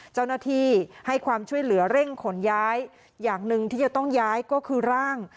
เจ้าหน้าที่ให้ความช่วยเหลือเร่งขนย้ายอย่างหนึ่งที่จะต้องย้ายก็คือร่าง